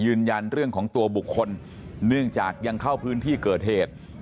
ยืนยันเรื่องของตัวบุคคลเนื่องจากยังเข้าพื้นที่เกิดเหตุ